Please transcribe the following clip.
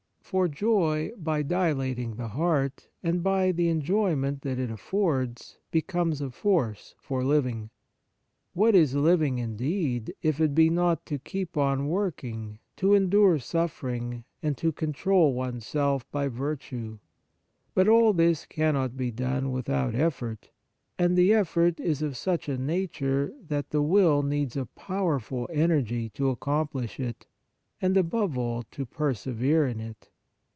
For joy, by dilating the heart and by the enjoy ment that it affords, becomes a force for living. What is living, indeed, if it be not to keep on working, to endure suffering, and to control oneself by virtue ? But all this cannot be done without effort, and the effort is of such a nature that the will needs a powerful energy to accomplish it, and, above all, to persevere in it.